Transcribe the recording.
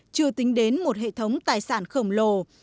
chưa tính đến một hệ thống tài sản khổng lồ